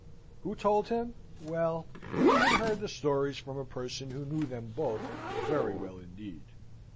Who told him? Well, he had heard the stories from a person who knew them both very well indeed.